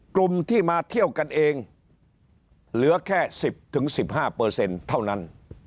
กลุ่มที่มาเที่ยวกันเองเหลือแค่๑๐๑๕เท่านั้น